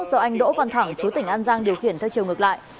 do anh đỗ văn thẳng chú tỉnh an giang điều khiển theo chiều ngược lại